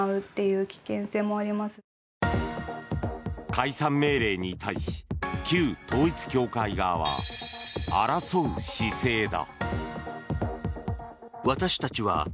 解散命令に対し旧統一教会側は争う姿勢だ。